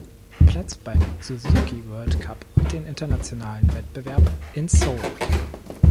Platz beim "Suzuki World Cup" und den Internationalen Wettbewerb in Seoul.